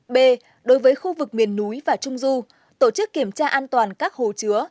b đối với khu vực miền núi và trung du tổ chức kiểm tra an toàn các hồ chứa